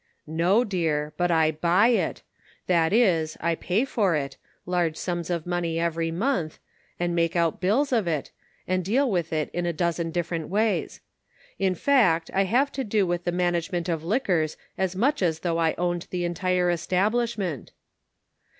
" No, dear, but I buy it ; that is, I pay for it, large sums of money every month, and make out bills of it, and deal with it in a dozen dif ferent ways. In fact, I have to do with the management of liquors as much as though I owned the entire establishment."